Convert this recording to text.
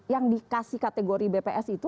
yang dikasih kategori bps itu